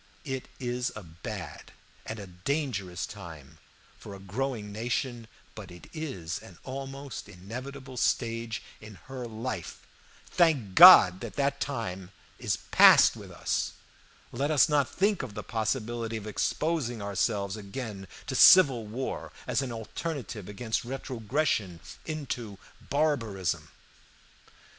It is a bad and a dangerous time for a growing nation, but it is an almost inevitable stage in her life. Thank God, that time is past with us! Let us not think of the possibility of exposing ourselves again to civil war as an alternative against retrogression into barbarism.